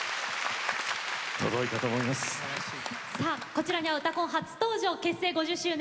こちらには「うたコン」初登場結成５０周年